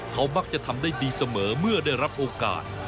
เขามักจะทำได้ดีเสมอเมื่อได้รับโอกาส